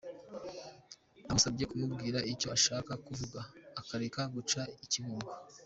Namusabye kumbwira icyo ashaka kuvuga akareka guca i Kibungo.